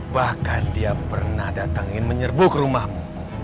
bahkan dia pernah datang ingin menyerbu ke rumahmu